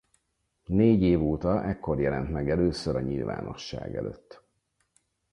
Négy év óta ekkor jelent meg először a nyilvánosság előtt.